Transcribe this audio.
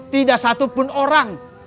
tidak satupun orang